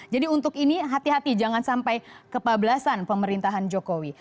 jadi untuk ini hati hati jangan sampai kepablasan pemerintahan jokowi